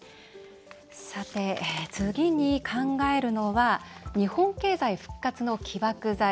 さて、次に考えるのは日本経済復活の起爆剤。